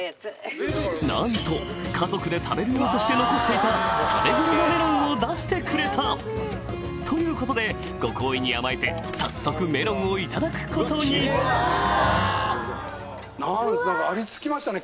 なんと家族で食べる用として残していた食べ頃のメロンを出してくれたということでご厚意に甘えて早速メロンをいただくことにありつきましたね